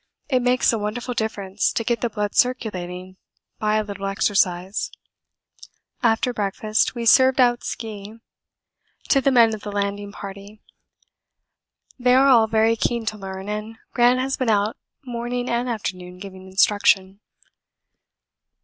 It makes a wonderful difference to get the blood circulating by a little exercise. After breakfast we served out ski to the men of the landing party. They are all very keen to learn, and Gran has been out morning and afternoon giving instruction.